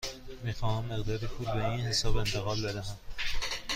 می خواهم مقداری پول به این حساب انتقال بدهم.